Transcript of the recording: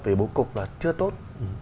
về bố cục là chưa tốt